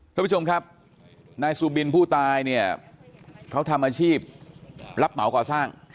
ทุกผู้ชมครับนายสุบินผู้ตายเนี่ยเขาทำอาชีพรับเหมาก่อสร้าง